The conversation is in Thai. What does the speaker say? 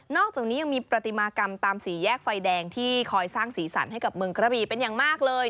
อกจากนี้ยังมีปฏิมากรรมตามสี่แยกไฟแดงที่คอยสร้างสีสันให้กับเมืองกระบีเป็นอย่างมากเลย